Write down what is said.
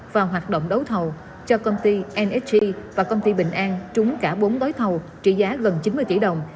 và hoạt động đấu thầu cho công ty nhg và công ty bình an trúng cả bốn gối thầu trị giá gần chín mươi tỷ đồng